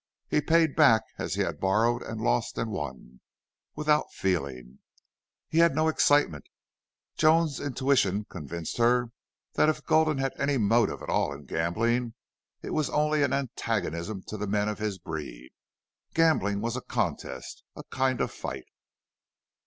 He paid back as he had borrowed and lost and won without feeling. He had no excitement. Joan's intuition convinced her that if Gulden had any motive at all in gambling it was only an antagonism to men of his breed. Gambling was a contest, a kind of fight.